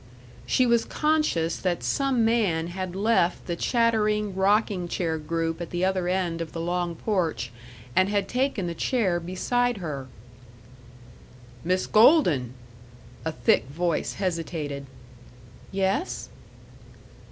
She was conscious that some man had left the chattering rocking chair group at the other end of the long porch and had taken the chair beside her. "Miss Golden!" a thick voice hesitated. "Yes."